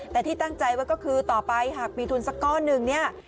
แต่ที่ตั้งใจว่าก็คือต่อไปหากมีทุนสักก้อนหนึ่งเนี่ย